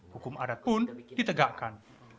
hukum adat pun ditegakkan